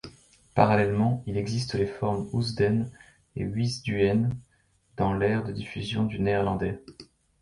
Parallèlement, il existe les formes Hoosden et Huisduinen dans l'ère de diffusion du néerlandais.